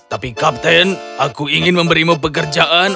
tapi kapten aku ingin memberimu pekerjaan